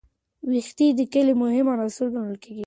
ویښتې د ښکلا مهم عنصر ګڼل کېږي.